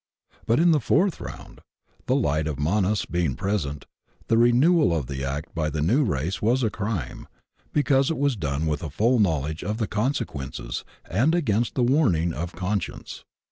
But in the fourth round, the light of Manas being present, the renewal of the act by the new race was a crime, because it was done with a full knowledge of the consequences and against the warning of con science.